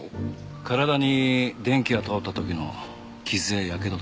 体に電気が通った時の傷や火傷だ。